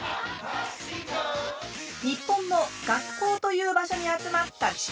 日本の学校という場所に集まった地球人たち。